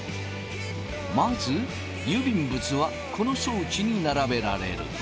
まず郵便物はこの装置に並べられる。